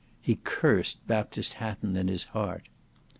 He cursed Baptist Hatton in his heart.